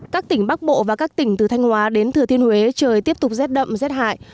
các tỉnh bắc bộ và các tỉnh từ thanh hóa đến thừa thiên huế trời tiếp tục rét đậm rét hại